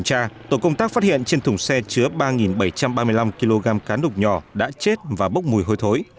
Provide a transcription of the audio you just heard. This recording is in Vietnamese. các phát hiện trên thùng xe chứa ba bảy trăm ba mươi năm kg cá nục nhỏ đã chết và bốc mùi hôi thối